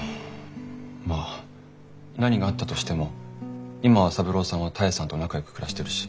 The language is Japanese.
まあ何があったとしても今は三郎さんは多江さんと仲よく暮らしてるし。